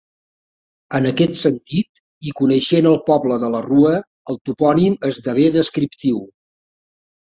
En aquest sentit, i coneixent el poble de la Rua, el topònim esdevé descriptiu.